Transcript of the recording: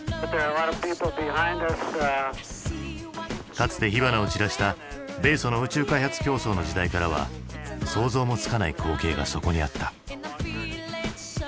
かつて火花を散らした米ソの宇宙開発競争の時代からは想像もつかない光景がそこにあった。